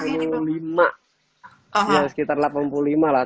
ya sekitar delapan puluh lima lah